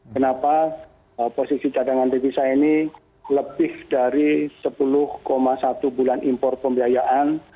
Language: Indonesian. kenapa posisi cadangan devisa ini lebih dari sepuluh satu bulan impor pembiayaan